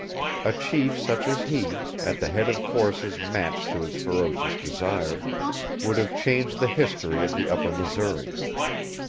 A chief such as he, at the head of forces matched to his ferocious desires, would have changed the history of the Upper Missouri.